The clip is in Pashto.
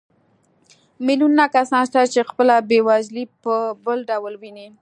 میلیونونه کسان شته چې خپله بېوزلي په بل ډول ویني